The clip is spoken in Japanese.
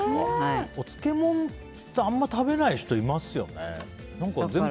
漬物ってあんまり食べない人いますよね。